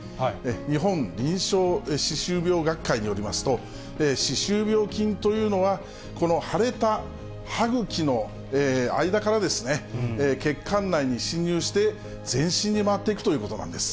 日本臨床歯周病学会によりますと、歯周病菌というのは、この腫れた歯ぐきの間から、血管内に侵入して全身に回っていくということなんです。